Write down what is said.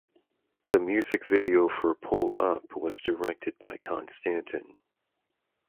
The music video for "Pull Up" was directed by Konstantin.